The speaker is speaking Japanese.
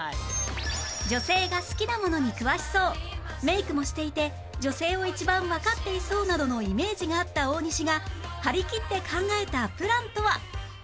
女性が好きなものに詳しそうメイクもしていて女性を一番わかっていそうなどのイメージがあった大西が張り切って考えたプランとは？